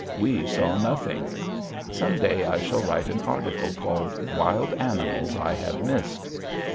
We saw nothing. Some day I shall write an article called: "Wild Animals I Have Missed."